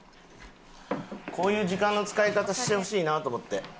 こういう時間の使い方してほしいなと思って。